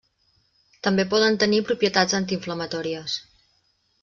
També poden tenir propietats antiinflamatòries.